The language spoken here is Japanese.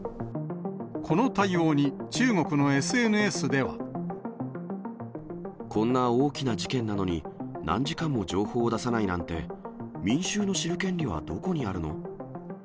この対応に、こんな大きな事件なのに、何時間も情報を出さないなんて、民衆の知る権利はどこにあるの？